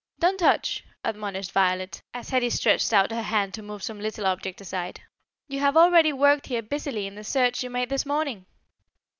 "Don't touch," admonished Violet, as Hetty stretched out her hand to move some little object aside. "You have already worked here busily in the search you made this morning."